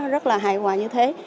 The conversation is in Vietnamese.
rất là hài hòa như thế